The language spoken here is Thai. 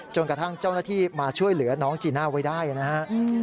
จนกระทั่งเจ้าหน้าที่มาช่วยเหลือน้องจีน่าไว้ได้นะฮะ